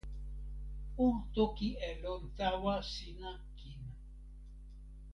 o toki e lon tawa sina kin.